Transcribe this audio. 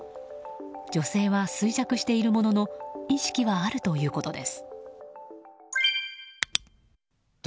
女性は衰弱しているものの意識はあるということです。